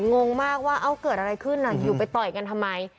งงมากว่าเอ้าเกิดอะไรขึ้นอยู่ไปต่อยกันทำไม